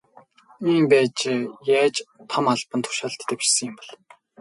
Ийм байж яаж том албан тушаалд дэвшсэн юм бол.